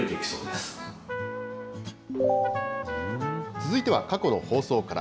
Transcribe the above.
続いては、過去の放送から。